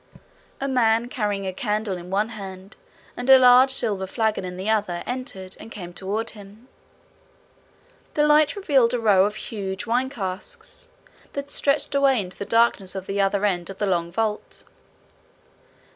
A man carrying a candle in one hand and a large silver flagon in the other, entered, and came toward him. The light revealed a row of huge wine casks, that stretched away into the darkness of the other end of the long vault.